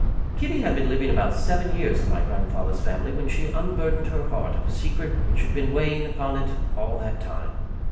Kitty had been living about seven years in my grandfather's family when she unburdened her heart of a secret which had been weighing upon it all that time.